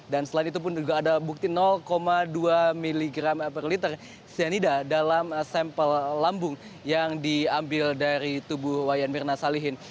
dan selain itu pun juga ada bukti dua miligram per liter sianida dalam sampel lambung yang diambil dari tubuh wayan mirna salihin